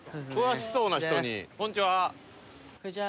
こんにちは。